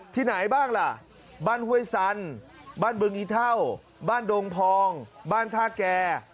ที่ไหนบ้างล่ะบ้านห้วยสันบ้านบึงอีเท่าบ้านดงพองบ้านท่าแก่